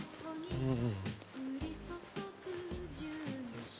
うん？